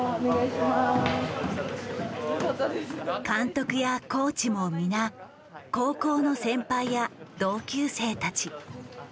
監督やコーチも皆高校の先輩や同級生たち。